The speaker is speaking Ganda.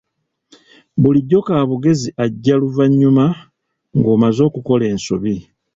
Bulijjo kaabugezi ajja luvannyuma ng'omaze okukola ensobi.